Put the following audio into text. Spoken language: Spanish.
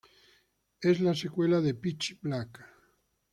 Es la secuela de "Pitch Black".